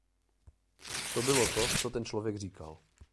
To bylo to, co ten člověk říkal.